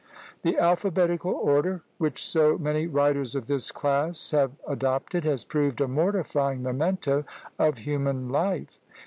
The alphabetical order, which so many writers of this class have adopted, has proved a mortifying memento of human life!